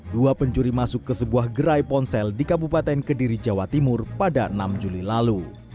dua pencuri masuk ke sebuah gerai ponsel di kabupaten kediri jawa timur pada enam juli lalu